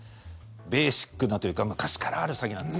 ベーシックなというか昔からある詐欺なんです。